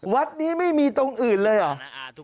วัดนี้ไม่มีตรงอื่นเลยเหรอ